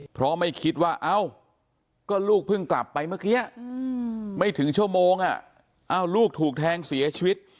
เพราะไม่คิดว่าเอ้าก็ลูกเพิ่งกลับไปเมื่อกี้ไม่ถึงชั่วโมงลูกถูกแทงเสียชีวิต